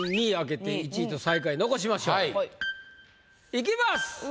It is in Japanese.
いきます。